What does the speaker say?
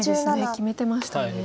決めてましたね。